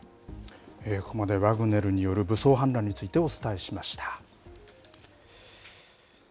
ここまでワグネルによる武装反乱についてお伝えしました。